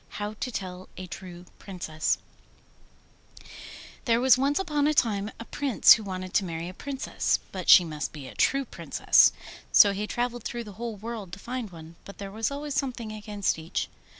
HOW TO TELL A TRUE PRINCESS There was once upon a time a Prince who wanted to marry a Princess, but she must be a true Princess. So he travelled through the whole world to find one, but there was always something against each.